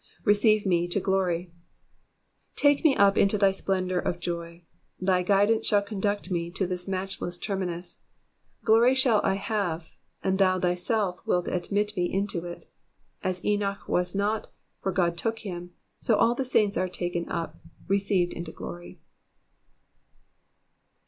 ^'Receive me to glory,'''* Take me up into thy splendour of joy. Thy guidance shall conduct me to this matchless terminus. Glory shall I have, and thou thyself wilt admit me into it. As Enoch was not, for God took him, so all the saints are taken up — received up into glory.